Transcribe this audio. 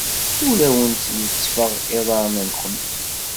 Ur awent-lettfeɣ iḍarren-nwent.